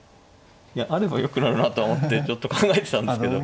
いやあればよくなるなと思ってちょっと考えてたんですけど。